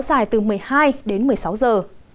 dài từ một mươi hai đến một mươi sáu giờ